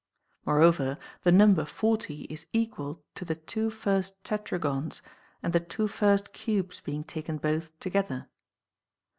Moreover, the number 40 is equal to the two first tetragons and the two first cubes being taken both together.